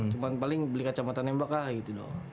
cuma paling beli kacamata nembak lah gitu doang